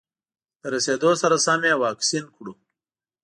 له رسېدو سره سم یې واکسین کړو.